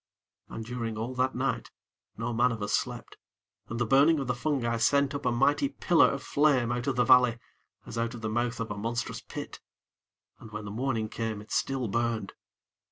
And during all that night no man of us slept, and the burning of the fungi sent up a mighty pillar of flame out of the valley, as out of the mouth of a monstrous pit and when the morning came it still burned.